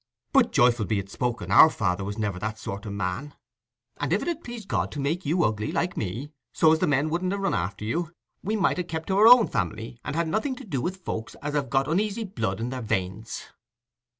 But joyful be it spoken, our father was never that sort o' man. And if it had pleased God to make you ugly, like me, so as the men wouldn't ha' run after you, we might have kept to our own family, and had nothing to do with folks as have got uneasy blood in their veins."